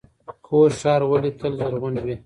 خوست ښار ولې تل زرغون وي؟